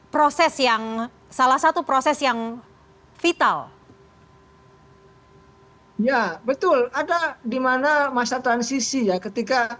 proses yang salah satu proses yang vital ya betul ada dimana masa transisi ya ketika